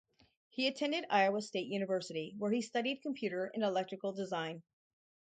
He attended Iowa State University where he studied computer and electrical design.